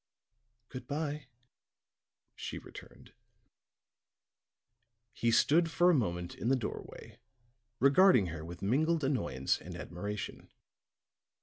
"Good by," she returned. He stood for a moment in the doorway regarding her with mingled annoyance and admiration.